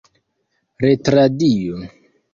retradio